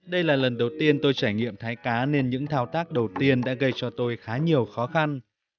đây là lần đầu tiên tôi trải nghiệm thái cá nên những thao tác đầu tiên đã gây cho tôi khá nhiều khó khăn